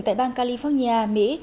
tại bang california mỹ